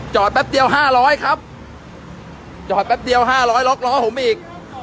จอดแป๊บเดียวห้าร้อยครับจอดแป๊บเดียวห้าร้อยล็อกล้อผมอีก